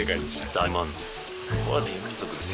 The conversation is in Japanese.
大満足ですよ。